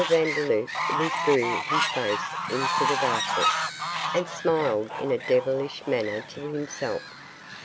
Vandeloup withdrew his face into the darkness, and smiled in a devilish manner to himself.